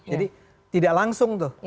jadi tidak langsung tuh